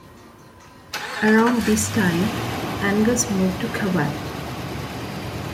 Around this time, Angus moved to Cobalt.